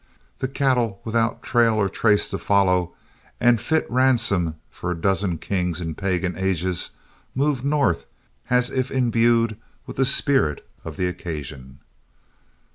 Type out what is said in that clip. The cattle, without trail or trace to follow, and fit ransom for a dozen kings in pagan ages, moved north as if imbued with the spirit of the occasion.